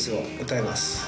歌います。